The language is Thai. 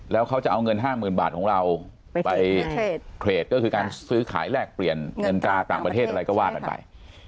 แล้วเขาจะเอาเงิน๕๐๐๐บาทของเราไปเทรดก็คือการซื้อขายแลกเปลี่ยนเงินตราต่างประเทศอะไรก็ว่ากันไป